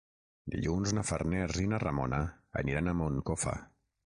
Dilluns na Farners i na Ramona aniran a Moncofa.